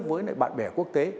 với lại bạn bè quốc tế